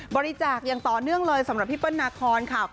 บริจาคอย่างต่อเนื่องเลยสำหรับพี่เปิ้ลนาคอนค่ะ